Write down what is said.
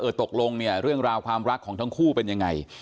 ตกลงเนี่ยเรื่องราวความรักของทั้งคู่เป็นยังไง